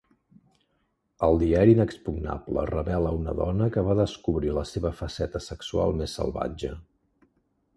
El diari inexpugnable revela una dona que va descobrir la seva faceta sexual més salvatge.